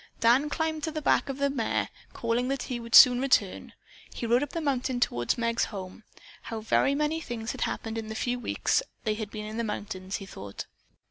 Dan climbed to the back of the mare. Calling that he would soon return, he rode up the mountain toward Meg's home. How very many things had happened in the few weeks they had been in the mountains, he thought.